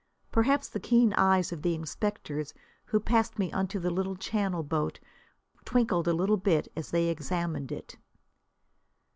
Perhaps the keen eyes of the inspectors who passed me onto the little channel boat twinkled a bit as they examined it.